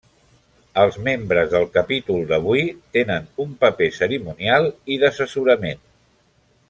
Els membres del capítol d'avui tenen un paper cerimonial i d'assessorament.